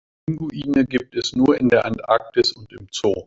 Pinguine gibt es nur in der Antarktis und im Zoo.